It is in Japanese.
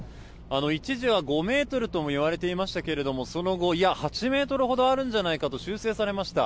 一時は５ｍともいわれていましたけれどもその後、いや８ｍほどあるんじゃないかと修正されました。